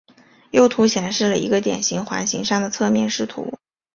右图显示了一个典型环形山的侧面视图。